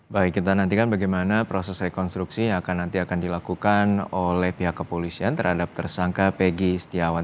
baik kita nantikan bagaimana proses rekonstruksi yang akan nanti akan dilakukan oleh pihak kepolisian terhadap tersangka pegi setiawan